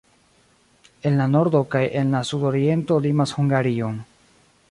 En la nordo kaj en la sudoriento limas Hungarion.